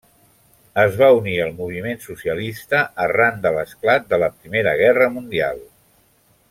Es va unir al moviment socialista arran de l'esclat de la Primera Guerra Mundial.